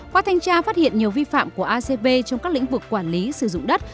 qua thanh tra phát hiện nhiều vi phạm của acv trong các lĩnh vực quản lý sử dụng đất